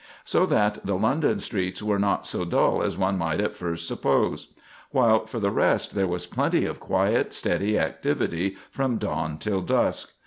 So that the London streets were not so dull as one might at first suppose; while for the rest there was plenty of quiet, steady activity from dawn till dusk.